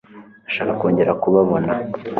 ndashaka kongera kubabona